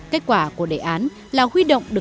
kết quả của đề án là huy động